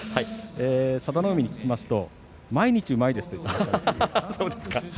佐田の海に聞きますと毎日うまいですという話でしたよ。